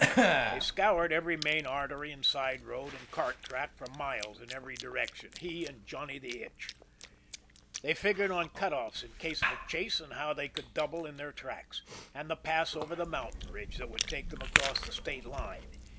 They scoured every main artery and side road and cart track for miles in every direction, he and Johnny the Itch. They figured on cutoffs in case of a chase and how they could double in their tracks. And the pass over the mountain ridge that would take them across the state line.